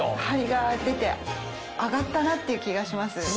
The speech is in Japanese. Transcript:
ハリが出て上がったなっていう気がします。